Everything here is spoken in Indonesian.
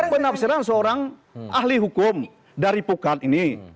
penafsiran seorang ahli hukum dari pukat ini